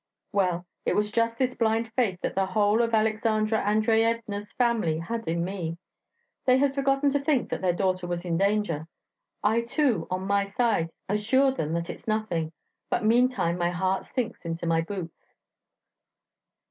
Well, it was just this blind faith that the whole of Aleksandra Andreyevna's family had in me; they had forgotten to think that their daughter was in danger. I, too, on my side assure them that it's nothing, but meantime my heart sinks into my boots.